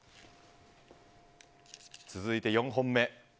続いて４本目。